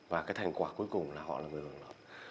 và cái thành quả cuối cùng là họ là người đồng thuận